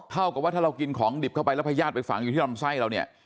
เท่ากับว่าถ้าเรากินของดิบเข้าไปแล้วพญาติไปฝังอยู่ที่ลำไส้เราเนี่ย